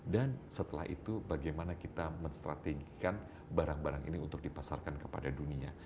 dan setelah itu bagaimana kita menstrategikan barang barang ini untuk dipasarkan kepada dunia